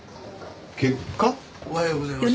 おはようございます。